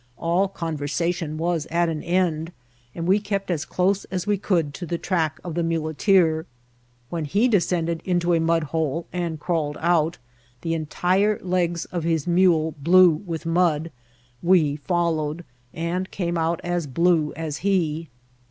All conversation was at an end, and we kept as close as we cotild to the track of the muleteer; when he descended into a mudhole, and crawled out, the entire legs of his mule blue with mud, we followed, and came out as blue as he.